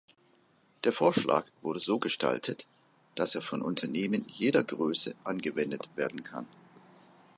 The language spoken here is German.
Der Vorschlag wurde so gestaltet, dass er von Unternehmen jeder Größe angewendet werden kann.